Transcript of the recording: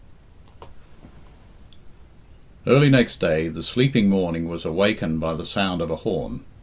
XX. Early next day the sleeping morning was awakened by the sound of a horn.